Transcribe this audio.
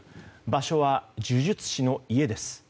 場所は呪術師の家です。